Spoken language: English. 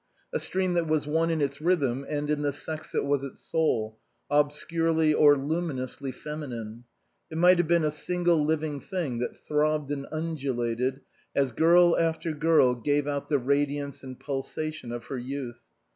A stream that was one in its rhythm and in the sex that was its soul, obscurely or luminously feminine ; it might have been a single living thing that throbbed and undulated, as girl after girl gave out the radiance and pulsation of her youth.